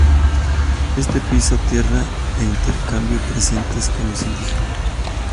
Este pisó tierra e intercambió presentes con los indígenas.